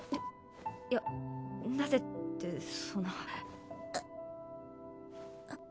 いやなぜってその。